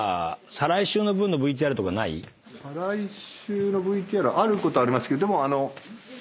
再来週のＶＴＲあることはありますけど。